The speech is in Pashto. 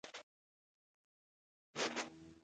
پیلوټ د انسان د فکر لوړوالی ښيي.